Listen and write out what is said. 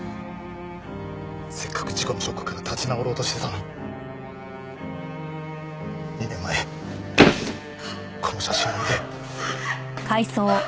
せっかく事故のショックから立ち直ろうとしてたのに２年前この写真を見て。